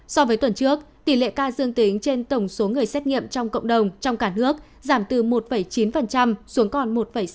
so với tuần trước tỷ lệ ca dương tính trên tổng số người xét nghiệm trong cộng đồng trong cả nước giảm từ một chín xuống còn một sáu mươi bảy